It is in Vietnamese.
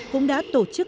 cũng đã tổ chức